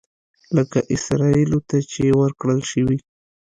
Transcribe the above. لکه اسرائیلو ته چې ورکړل شوي.